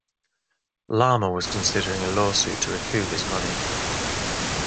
Llama was considering a lawsuit to recoup his money.